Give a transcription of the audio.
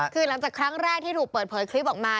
คือหลังจากครั้งแรกที่ถูกเปิดเผยคลิปออกมา